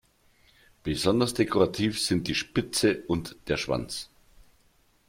Besonders dekorativ sind die Spitze und der Schwanz.